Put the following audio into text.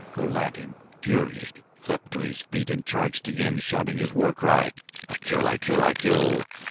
Go lat, infuriated, leaped to his feet and charged again, shouting his war cry: "I kill! I kill! I kill!"